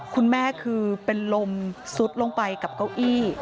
คุณแม่คือเป็นลมซุดลงไปกับเก้าอี้